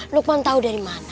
lokman tau dari mana